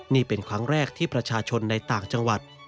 นี่เป็นครั้งแรกที่ประชาชนในต่างจังหวัด